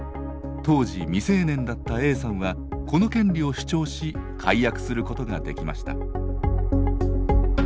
当時未成年だったＡさんはこの権利を主張し解約することができました。